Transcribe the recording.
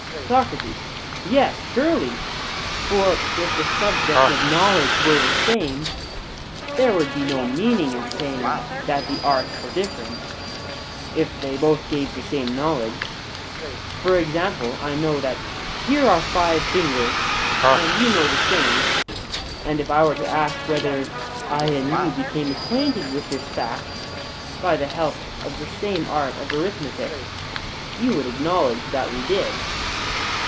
SOCRATES: Yes, surely; for if the subject of knowledge were the same, there would be no meaning in saying that the arts were different, if they both gave the same knowledge. For example, I know that here are five fingers, and you know the same. And if I were to ask whether I and you became acquainted with this fact by the help of the same art of arithmetic, you would acknowledge that we did?